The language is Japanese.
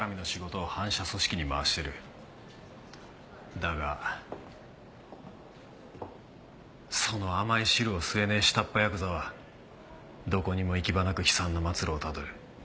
だがその甘い汁を吸えねえ下っ端ヤクザはどこにも行き場なく悲惨な末路をたどる。